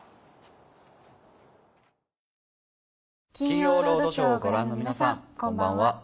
『金曜ロードショー』をご覧の皆さんこんばんは。